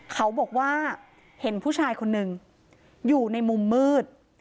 เขาบอกว่าเห็นผู้ชายคนนึงอยู่ในมุมมืด